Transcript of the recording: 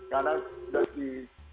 karena sudah di